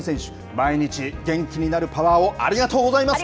毎日元気になるパワーをありがとうございます。